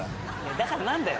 だから何だよ。